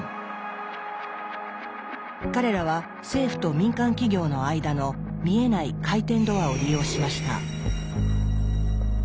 彼らは政府と民間企業の間の見えない「回転ドア」を利用しました。